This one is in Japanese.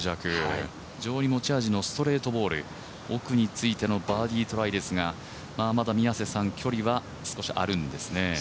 非常に持ち味のストレートボール奥についてのバーディートライですが、まだ距離は少しあるんですね。